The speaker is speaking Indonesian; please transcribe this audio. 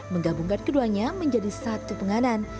menggabungkan keduanya menjadi satu penganan